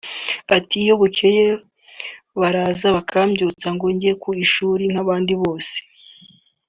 Ati “Iyo bukeye baraza bakambyutsa ngo njye ku ishuri nk’abandi bose